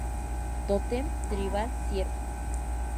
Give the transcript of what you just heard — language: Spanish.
Tótem Tribal: Ciervo